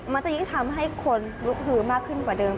มันจะยิ่งทำให้คนลุกฮือมากขึ้นกว่าเดิม